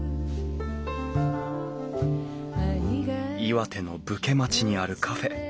「岩手の武家町にあるカフェ。